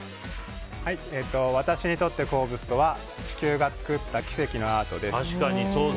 私にとって鉱物とは地球が作った奇跡のアートです。